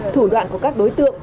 thủ đoạn của các đối tượng